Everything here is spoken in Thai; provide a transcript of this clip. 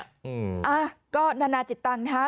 อ้าก็นานาจิตตังค์ครับ